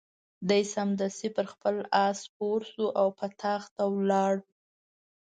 دی سمدستي پر خپل آس سپور شو او په تاخت ولاړ.